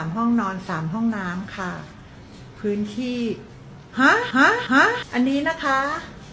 ห้องนอน๓ห้องน้ำค่ะพื้นที่ฮะฮะอันนี้นะคะ